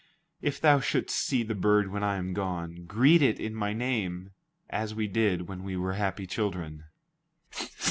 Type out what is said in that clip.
If thou shouldst see the bird when I am gone, greet it in my name, as we did when we were happy children."